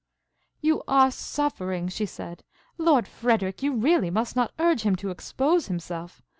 "You are suffering," she said. "Lord Frederic, you really must not urge him to expose himself.